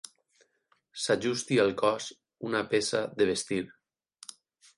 S'ajusti al cos una peça de vestir.